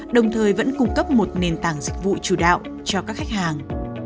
đồng thời vẫn cung cấp một nền tảng dịch vụ chủ đạo cho các khách hàng